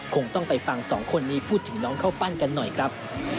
คงต้องไปฟังสองคนนี้พูดถึงน้องข้าวปั้นกันหน่อยครับ